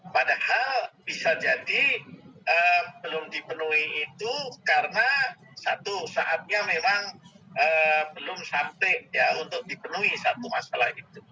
padahal bisa jadi belum dipenuhi itu karena satu saatnya memang belum sampai ya untuk dipenuhi satu masalah itu